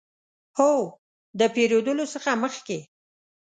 هو، د پیرودلو څخه مخکې